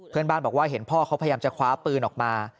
เพื่อนบ้านบอกว่าเห็นพ่อเขาพยายามจะคว้าปืนออกมา